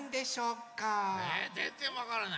ぜんぜんわからない。